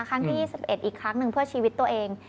ครั้งที่๒๑อีกครั้งหนึ่งเพื่อชีวิตตัวเอง